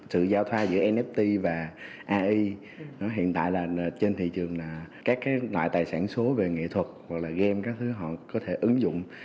sự giao thoa giữa nft và ai hiện tại là trên thị trường là các loại tài sản số về nghệ thuật hoặc là game các thứ họ có thể ứng dụng